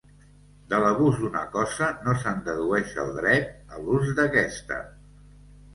De l'abús d'una cosa no se'n dedueix el dret a l'ús d'aquesta.